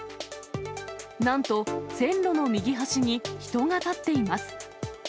なんと、線路の右端に人が立っています。